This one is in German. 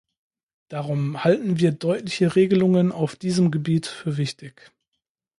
Darum halten wir deutliche Regelungen auf diesem Gebiet für wichtig.